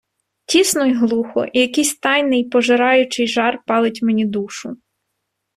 Тісно й глухо, і якийсь тайний, пожираючий жар палить мені душу.